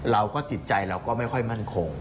จิตใจเราก็ไม่ค่อยมั่นคง